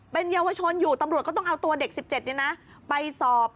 เป็นเยาวชนอยู่ตำรวจก็ต้องเอาตัวเด็ก๑๗ไปสอบ